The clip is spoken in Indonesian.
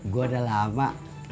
gue udah lama